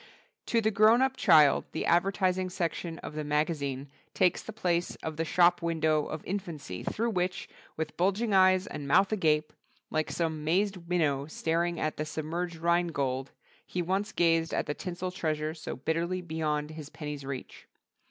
To the grown up child the advertising section of the magazine takes the place of the Shop Window of infancy through which, with bulging eyes and mouth agape, like some mazed minnow staring at the submerged Rhine Gold, he once gazed at the tinsel treasure so bitterly beyond his penny's reach.